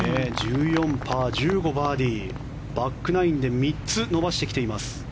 １４、パー１５、バーディーバックナインで３つ伸ばしてきています。